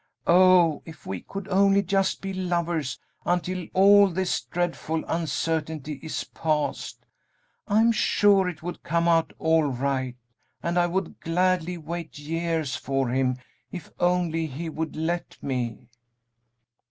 Oh, if we could only just be lovers until all this dreadful uncertainty is past! I'm sure it would come out all right, and I would gladly wait years for him, if only he would let me!"